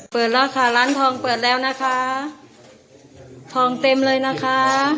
เปิดแล้วค่ะร้านทองเปิดแล้วนะคะทองเต็มเลยนะคะ